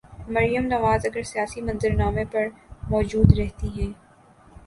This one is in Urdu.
مریم نواز اگر سیاسی منظر نامے پر موجود رہتی ہیں۔